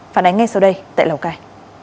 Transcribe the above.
phản ánh ngay sau đây tại lào cai